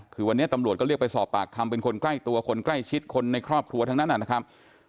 คือวันนี้ตำรวจก็เรียกไปสอบปากคำเป็นคนใกล้ตัวคนใกล้ชิดคนในครอบครัวทั้งนั้นนะครับ